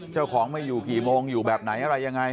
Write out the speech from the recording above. เจ้าของไม่อยู่กี่โมงอยู่แบบไหนอะไรยังไง